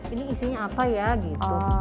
ini isinya apa ya gitu